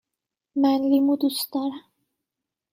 من لیمو دوست دارم.